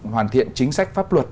hoàn thiện chính sách pháp luật